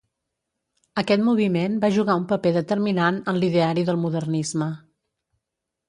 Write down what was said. Aquest moviment va jugar un paper determinant en l'ideari del modernisme.